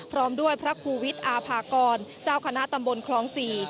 พร้อมด้วยพระครูวิทย์อาภากรเจ้าคณะตำบลคลอง๔